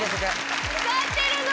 使ってるの！